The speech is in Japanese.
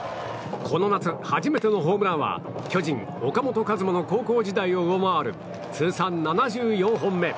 この夏、初めてのホームランは巨人、岡本和真の高校時代を上回る通算７４本目。